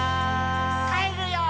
「帰るよー」